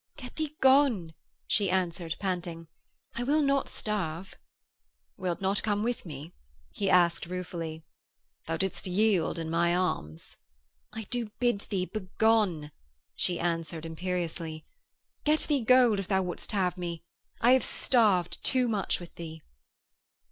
'Get thee gone,' she answered, panting. 'I will not starve.' 'Wilt not come with me?' he asked ruefully. 'Thou didst yield in my arms.' 'I do bid thee begone,' she answered imperiously. 'Get thee gold if thou would'st have me. I have starved too much with thee.'